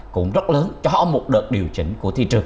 cũng rất lớn cho một đợt điều chỉnh